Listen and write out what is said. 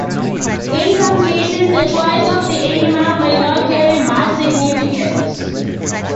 In some cases, the choice of the animal may not carry much significance.